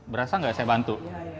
berasa nggak saya bantu